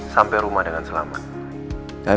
sampai rumah dengan selamat